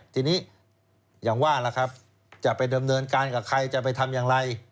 ทีนี้อย่างว่าล่ะครับจะไปดำเนินการกับใครจะไปทำอย่างไร